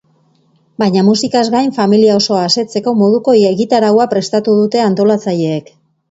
Baina, musikaz gain, familia osoa asetzeko moduko egitaraua prestatu dute antolatzaileek.